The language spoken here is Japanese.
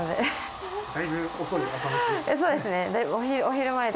そうですね。